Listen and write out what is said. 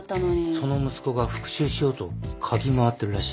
その息子が復讐しようと嗅ぎ回ってるらしい。